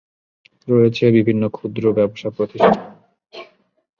রয়েছে বিভিন্ন ক্ষুদ্র ব্যবসা প্রতিষ্ঠান।